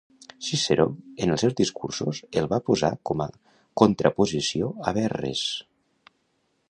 Ciceró en els seus discursos, el va posar com a contraposició a Verres.